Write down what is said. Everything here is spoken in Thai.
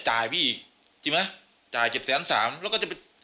จ่ายไปอีกจิกมั้ยจ่าย๗๐๓บาทเขาก็ก็จะมี